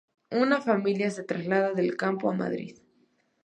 Una familia se traslada del campo a Madrid.